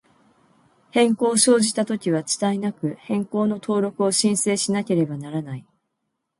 変更を生じたときは、遅滞なく、変更の登録を申請しなければならない。